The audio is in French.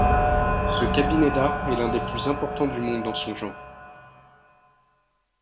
Ce cabinet d'Art est l'un des plus importants du monde dans son genre.